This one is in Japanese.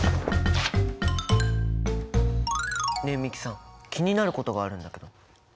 ねえ美樹さん気になることがあるんだけど。